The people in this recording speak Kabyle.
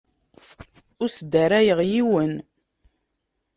Ur sdarayeɣ yiwen.